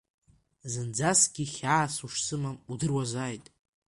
Зынӡаскгьы хьаас ушсымам удыруазааит.